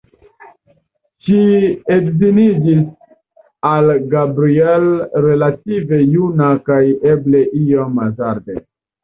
Ŝi edziniĝis al Gabriel relative juna kaj eble iom hazarde.